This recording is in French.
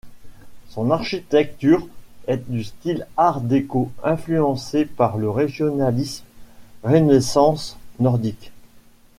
Son architecture est de style Art déco influencé par le régionalisme Renaissance nordique.